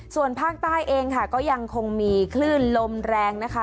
ส่วนภาคใต้เองค่ะก็ยังคงมีคลื่นลมแรงนะคะ